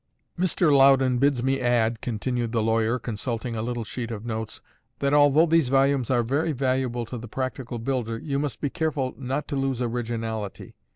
"Mr. Loudon bids me add," continued the lawyer, consulting a little sheet of notes, "that although these volumes are very valuable to the practical builder, you must be careful not to lose originality.